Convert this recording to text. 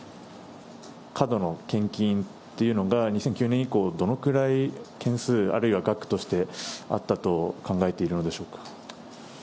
過度の献金というのが２００９年以降、どのくらい件数、あるいは額としてあったと考えているのでしょうか。